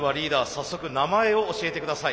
早速名前を教えて下さい。